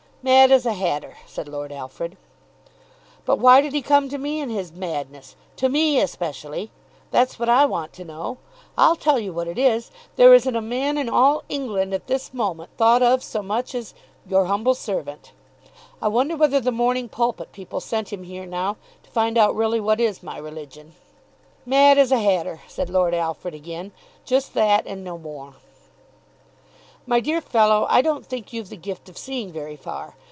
"Mad as a hatter," said Lord Alfred. "But why did he come to me in his madness to me especially? That's what I want to know. I'll tell you what it is. There isn't a man in all England at this moment thought of so much as your humble servant. I wonder whether the 'Morning Pulpit' people sent him here now to find out really what is my religion." "Mad as a hatter," said Lord Alfred again; "just that and no more." "My dear fellow, I don't think you've the gift of seeing very far.